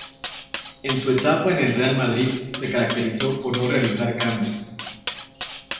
En su etapa en el Real Madrid, se caracterizó por no realizar cambios.